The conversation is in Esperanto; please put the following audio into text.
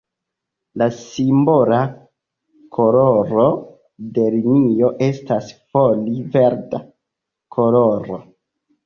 La simbola koloro de linio estas foli-verda koloro.